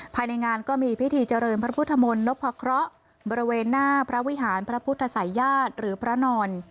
ภายในงานก็มีพิธีเจริญพระพุทธมนต์นพเคราะห์บริเวณหน้าพระวิหารพระพุทธศัยญาติหรือพระนอน